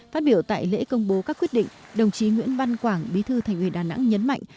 phát biểu tại lễ công bố các quyết định đồng chí nguyễn văn quảng bí thư thành ủy đà nẵng nhấn mạnh